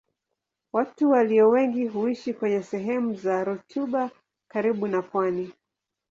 Watu walio wengi huishi kwenye sehemu za rutuba karibu na pwani.